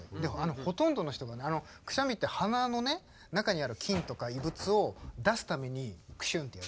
ほとんどの人がくしゃみって鼻の中にある菌とか異物を出すためにくしゅんって。